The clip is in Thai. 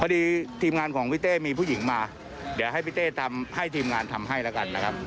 พอดีทีมงานของพี่เต้มีผู้หญิงมาเดี๋ยวได้ทำให้ทีมงานทำให้นะครับ